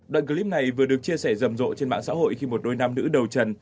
đoạn clip này vừa được chia sẻ rầm rộ trên mạng xã hội khi một đôi nam nữ đầu trần